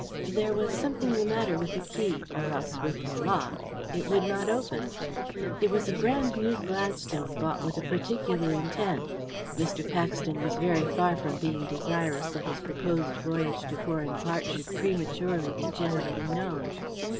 There was something the matter with the key, or else with the lock it would not open. It was a brand new Gladstone, bought with a particular intent; Mr. Paxton was very far from being desirous that his proposed voyage to foreign parts should prematurely be generally known.